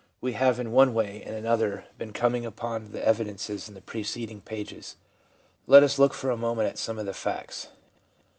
We have in one way and another been coming upon the evidences in the preceding pages. Let us look for a moment at some of the facts.